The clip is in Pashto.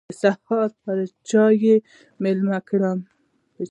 د سهار پر چايو مېلمه کړم.